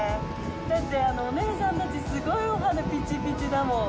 だって、お姉さんたち、すごいお肌、ピチピチだもん。